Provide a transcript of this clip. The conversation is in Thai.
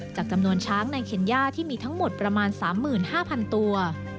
จำนวนช้างในเคนย่าที่มีทั้งหมดประมาณ๓๕๐๐๐ตัว